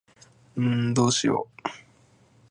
んーどうしよ。